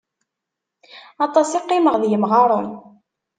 Aṭas i qqimeɣ d yemɣaren.